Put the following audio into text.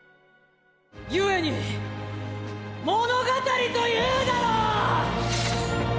故に物語というだろう。